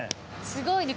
すごいね。